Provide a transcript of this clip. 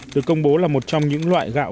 được công bố là một trong những loại gạo